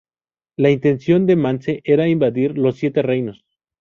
La intención de Mance era invadir los Siete Reinos.